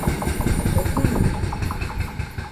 Okul mu?